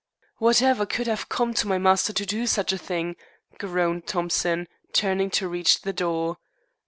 "Whatever could have come to my master to do such a thing?" groaned Thompson, turning to reach the door.